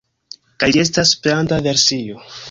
Kaj ĝi estas Esperanta versio.